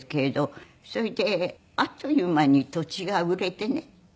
それであっという間に土地が売れてね。